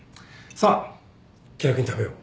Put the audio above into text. さあ気楽に食べよう。